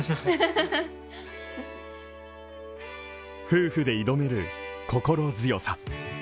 夫婦で挑める心強さ。